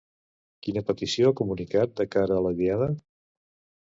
Quina petició ha comunicat de cara a la Diada?